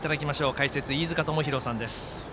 解説、飯塚智広さんです。